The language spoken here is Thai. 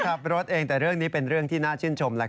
ขับรถเองแต่เรื่องนี้เป็นเรื่องที่น่าชื่นชม